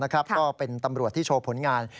ก็เป็นตำรวจที่โชว์ผลงาน